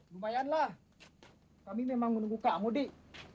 lumayanlah kami memang menunggu kamu dik